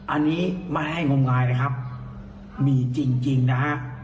อันนี้ไม่ให้งมงายเลยครับมีจริงนะฮะ